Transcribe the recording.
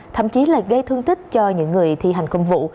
thậm chí là gây thương tích cho những người thi hành công vụ